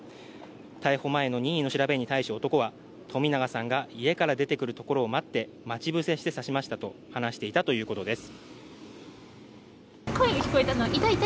逮捕前の任意の調べに対し男は冨永さんが家から出てくるところを待って、待ち伏せして刺しましたと話しているということです。